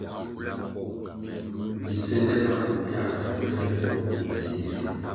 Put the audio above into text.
Bisende maku biā bvu le bo bur dzihri.